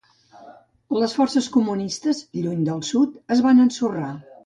Les forces comunistes lluny del Sud es van ensorrar.